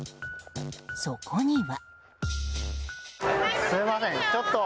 そこには。